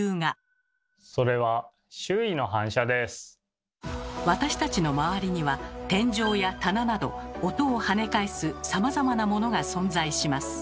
それは私たちの周りには天井や棚など音をはね返すさまざまなものが存在します。